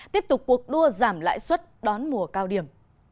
tiếp tục cuộc đua giảm lãi suất đón mùa cao điểm